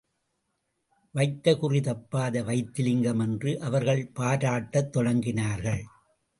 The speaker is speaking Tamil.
வைத்த குறி தப்பாத வைத்தியலிங்கம் என்று அவர்கள் பாராட்டத் தொடங்கினார்கள்.